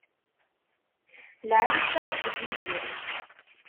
Lɛali-tt taɣect n Yidir.